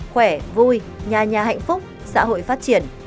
khỏe vui nhà nhà hạnh phúc xã hội phát triển